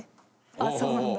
あっそうなんだ。